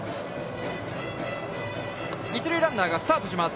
一塁ランナーがスタートします。